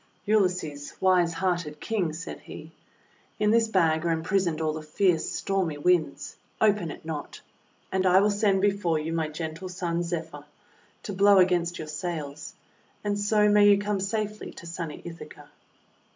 'Ulysses, wise hearted King," said he, "in this bag are imprisoned all the fierce stormy Winds. Open it not! And I will send before you my gentle son, Zephyr, to blow against your sails; and so may you come safely to sunny Ithaca."